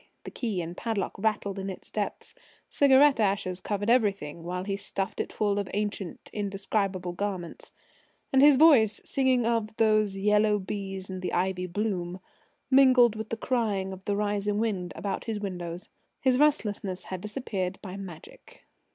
The key and padlock rattled in its depths. Cigarette ashes covered everything while he stuffed it full of ancient, indescribable garments. And his voice, singing of those "yellow bees in the ivy bloom," mingled with the crying of the rising wind about his windows. His restlessness had disappeared by magic.